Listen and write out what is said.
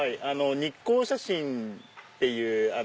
日光写真っていう。